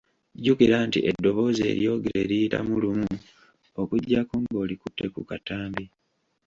Jjukira nti eddoboozi eryogere liyita lumu, okuggyako ng’olikutte ku katambi .